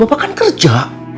bapak kan kerja